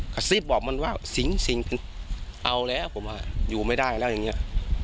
กระซิบบอกมันว่าสิงเอาแล้วผมอยู่ไม่ได้แล้วอย่างนี้